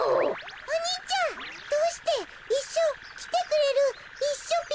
お兄ちゃどうしていっしょきてくれるいっしょぴ？